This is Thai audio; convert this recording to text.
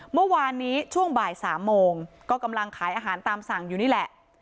เมื่อวานนี้ช่วงบ่าย๓โมงก็กำลังขายอาหารตามสั่งอยู่นี่แหละ